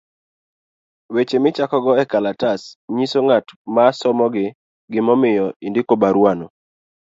Weche michakogo ekalatas , nyiso ne ng'at ma somogi gimomiyo ondiko barua no.